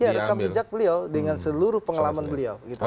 iya rekam jejak beliau dengan seluruh pengalaman beliau